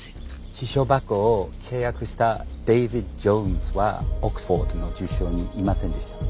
私書箱を契約したデビッド・ジョーンズはオックスフォードの住所にいませんでした。